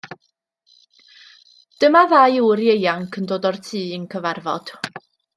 Dyma ddau ŵr ieuanc yn dod o'r tŷ i'n cyfarfod.